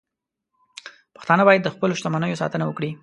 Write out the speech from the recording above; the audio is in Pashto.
پښتانه باید د خپلو شتمنیو ساتنه وکړي.